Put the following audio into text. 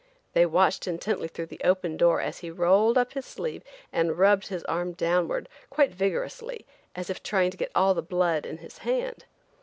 They watched intently through the open door as he rolled up his sleeve and rubbed his arm downward, quite vigorously, as if trying to get all the blood in his hand.